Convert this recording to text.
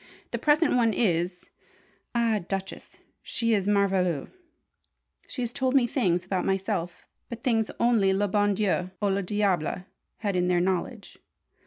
The present one is ah, Duchess, she is merveilleuse. She has told me things about myself but things only le bon Dieu ou le diable had in their knowledge!